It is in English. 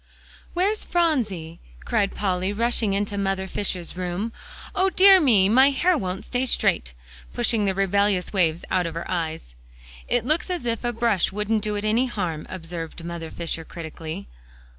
"Where's Phronsie?" cried Polly, rushing into Mother Fisher's room; "O dear me, my hair won't stay straight," pushing the rebellious waves out of her eyes. "It looks as if a brush wouldn't do it any harm," observed Mother Fisher critically.